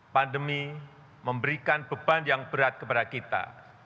pandemi memberikan beban yang berat kepada kita